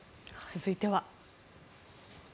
続いては。